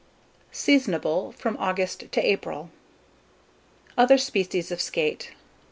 Seasonable from August to April. OTHER SPECIES OF SKATE.